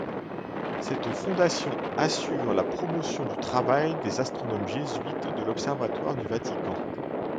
Cette fondation assure la promotion du travail des astronomes jésuites de l'Observatoire du Vatican.